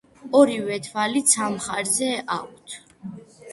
ორივე თვალი ცალ მხარეზე აქვთ.